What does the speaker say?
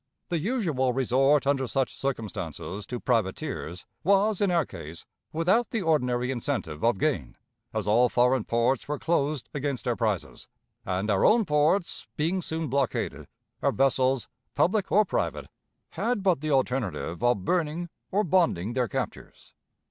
The usual resort under such circumstances to privateers was, in our case, without the ordinary incentive of gain, as all foreign ports were closed against our prizes, and, our own ports being soon blockaded, our vessels, public or private, had but the alternative of burning or bonding their captures.